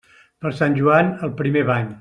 Per Sant Joan, el primer bany.